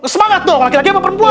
semangat dong laki laki sama perempuan